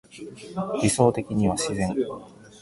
理想的には自然